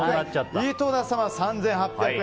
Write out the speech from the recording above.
井戸田様、３８００円。